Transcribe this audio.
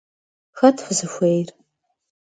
Хэт фызыхуейр?